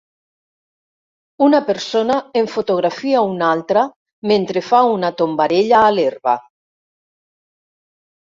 Una persona en fotografia una altra mentre fa una tombarella a l'herba.